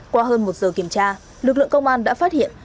qua hơn một giờ kiểm tra lực lượng công an đã phát hiện